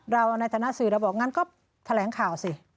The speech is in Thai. ในฐานะสื่อเราบอกงั้นก็แถลงข่าวสิ